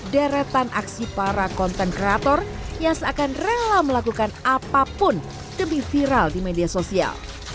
deretan aksi para konten kreator yang seakan rela melakukan apapun demi viral di media sosial